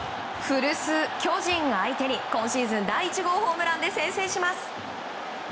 古巣・巨人相手に今シーズン第１号ホームランで先制します。